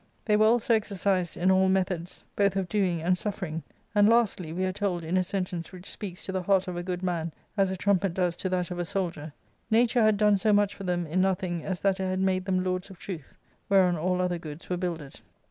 They were also " exercised in all methods both of doing and suffering ;" and, lastly, we are told in a sentence which speaks to the heart of a good man as a trumpet does to that of a soldier, " Nature had done so much for them in nothing as that it had made them lords of Truths whereon all other goods were builded."